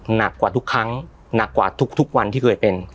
หนักกว่าทุกครั้งหนักกว่าทุกวันที่เคยเป็น